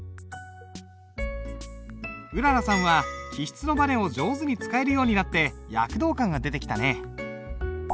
うららさんは起筆のばねを上手に使えるようになって躍動感が出てきたね。